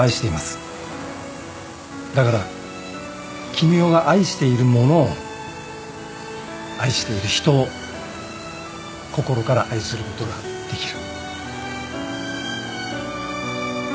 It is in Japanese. だから絹代が愛しているものを愛している人を心から愛することができる。